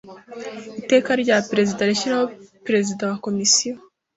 Iteka rya Perezida rishyiraho Perezida wa Komisiyo